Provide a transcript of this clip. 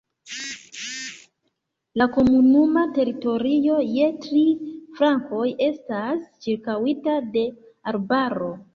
La komunuma teritorio je tri flankoj estas ĉirkaŭita de arbaro.